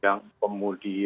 yang kebetulan dikomunisi tiga